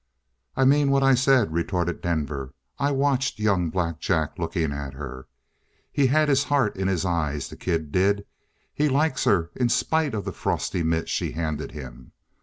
"I mean what I said," retorted Denver. "I watched young Black Jack looking at her. He had his heart in his eyes, the kid did. He likes her, in spite of the frosty mitt she handed him.